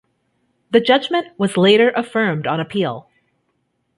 The judgment was later affirmed on appeal.